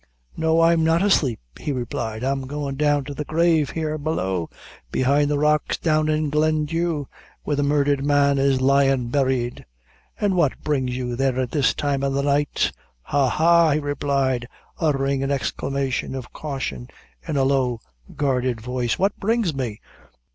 "No, I'm not asleep," he replied; "I'm goin' down to the grave here below, behind the rocks down in Glendhu, where the murdhered man is lyin' buried." "An' what brings you there at this time o' the night?" "Ha! ha!" he replied, uttering an exclamation of caution in a low, guarded voice "what brings me?